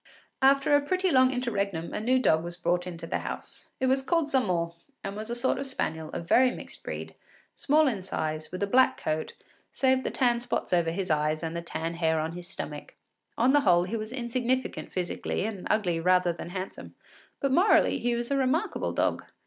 After a pretty long interregnum a new dog was brought into the house. It was called Zamore, and was a sort of spaniel, of very mixed breed, small in size, with a black coat, save the tan spots over his eyes and the tan hair on his stomach. On the whole he was insignificant physically, and ugly rather than handsome; but morally, he was a remarkable dog.